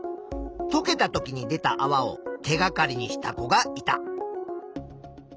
とけたときに出たあわを手がかりにした子がいた。